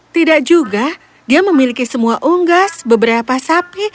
tidak juga dia memiliki semua unggas beberapa sapi